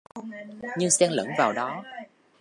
Nhưng xen lẫn vào đó